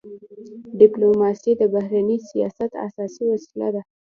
ډيپلوماسي د بهرني سیاست اساسي وسیله ده.